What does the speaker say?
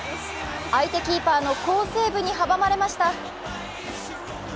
相手キーパーの好セーブに阻まれました。